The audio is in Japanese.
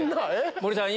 森さん